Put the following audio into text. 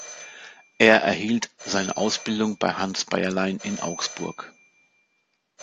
Er erhielt seine Ausbildung bei Hans Beierlein in Augsburg.